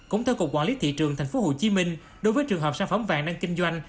cũng theo cục quản lý thị trường tp hcm đối với trường hợp sản phẩm vàng đang kinh doanh